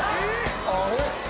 あれ？